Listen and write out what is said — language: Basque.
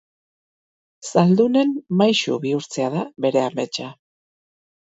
Zaldunen maisu bihurtzea da bere ametsa.